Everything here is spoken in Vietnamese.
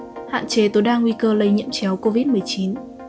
hạn chế tối đa nguy cơ lây nhiễm chéo covid một mươi chín